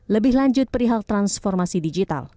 lebih lanjut perihal transformasi digital